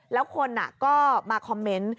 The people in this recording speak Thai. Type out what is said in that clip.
แล้วคนก็มาคอมเมนต์